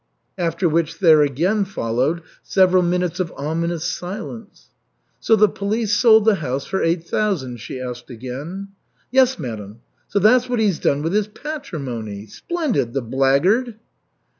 After which there again followed several minutes of ominous silence. "So the police sold the house for eight thousand?" she asked again. "Yes, madam." "So that's what he's done with his patrimony! Splendid! The blackguard!"